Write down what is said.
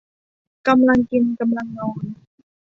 กำลังกินกำลังนอน